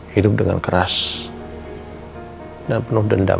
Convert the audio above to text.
hidup dengan keras dan penuh dendam